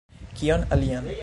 Kion alian?